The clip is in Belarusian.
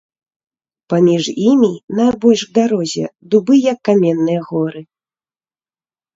Паміж імі, найбольш к дарозе, дубы як каменныя горы.